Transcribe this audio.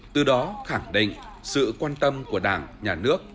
từ đó khẳng định sự quan tâm của đảng nhà nước